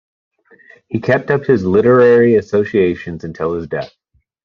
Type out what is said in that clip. He kept up his literary associations until his death.